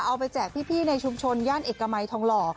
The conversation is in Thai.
เอาไปแจกพี่ในชุมชนย่านเอกมัยทองหล่อ